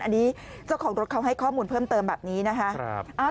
อันนี้เจ้าของรถเขาให้ข้อมูลเพิ่มเติมแบบนี้นะคะ